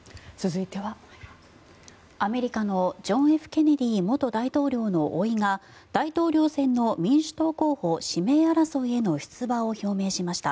アメリカのジョン・Ｆ・ケネディ元大統領のおいが大統領選の民主党候補指名争いへの出馬を表明しました。